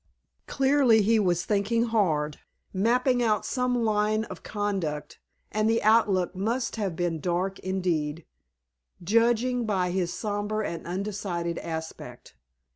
Clearly, he was thinking hard, mapping out some line of conduct, and the outlook must have been dark indeed, judging by his somber and undecided aspect.